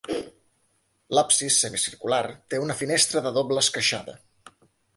L'absis, semicircular, té una finestra de doble esqueixada.